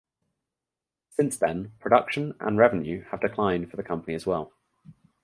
Since then production and revenue have declined for the company as well.